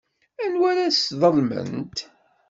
Anwa ara tesḍelmemt?